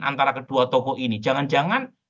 antara kedua tokoh ini jangan jangan